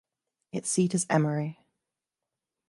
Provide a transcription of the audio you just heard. Its seat is Emory.